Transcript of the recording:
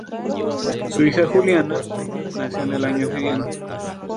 Su hija Juliana nació el año siguiente.